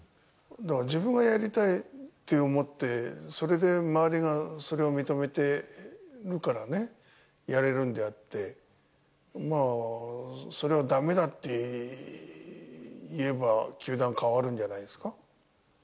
だから自分がやりたいって思って、それで周りがそれを認めてるからね、やれるんであって、それをだめだって言えば球団変わるんじゃないですか。